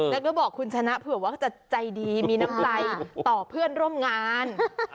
แล้วก็บอกคุณชนะเผื่อว่าจะใจดีมีน้ำใจต่อเพื่อนร่วมงาน